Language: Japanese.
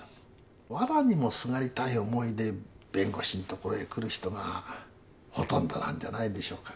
わらにもすがりたい思いで弁護士のところへ来る人がほとんどなんじゃないでしょうかね？